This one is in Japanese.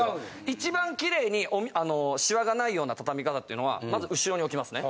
一番きれいにあのシワがないような畳み方っていうのはまず後ろに置きますね。